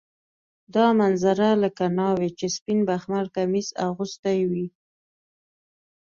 دا منظره لکه ناوې چې سپین بخمل کمیس اغوستی وي.